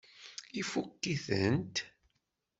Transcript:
Ifukk-itent?